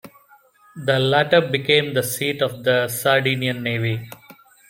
The latter became the seat of the Sardinian Navy.